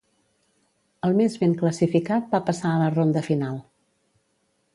El més ben classificat va passar a la ronda final.